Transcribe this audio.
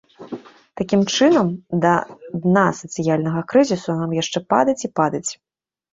Такім чынам, да дна сацыяльнага крызісу нам яшчэ падаць і падаць.